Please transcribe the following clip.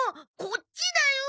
こっちだよ！